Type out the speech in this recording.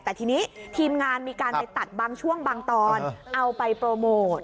แต่ทีนี้ทีมงานมีการไปตัดบางช่วงบางตอนเอาไปโปรโมท